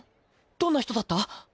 どんな人だった？